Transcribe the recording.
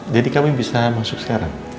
jadi kami bisa masuk sekarang